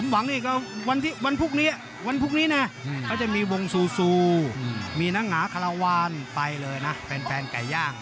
วันพรุ่งนี้นะก็จะมีวงสูอยู่มีนางหาคาลาวานเพราะใครย่าง